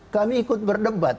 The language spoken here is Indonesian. kami ikut berdebat